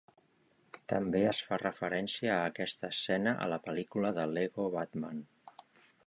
També es fa referència a aquesta escena a la pel·lícula de Lego Batman.